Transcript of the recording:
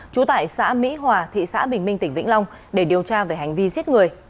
trú tại xã mỹ hòa thị xã bình minh tỉnh vĩnh long để điều tra về hành vi giết người